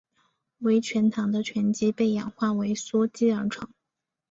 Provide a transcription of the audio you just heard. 为醛糖的醛基被氧化为羧基而成。